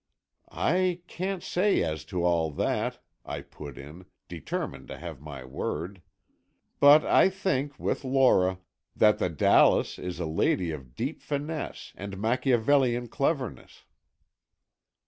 "I can't say as to all that," I put in, determined to have my word, "but I think, with Lora, that the Dallas is a lady of deep finesse and Machiavellian cleverness."